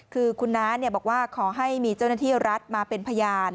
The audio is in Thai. คือคุณน้าบอกว่าขอให้มีเจ้าหน้าที่รัฐมาเป็นพยาน